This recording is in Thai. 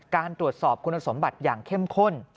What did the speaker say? การตรวจสอบคุณสมบัติอย่างเข้มข้น